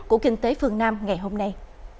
của kinh tế phương nam ngày hôm nay